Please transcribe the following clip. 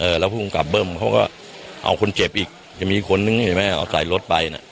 แล้วผู้กำกับเบิ้มเขาก็เอาคนเจ็บอีกจะมีคนนึงเห็นไหมเอาใส่รถไปน่ะ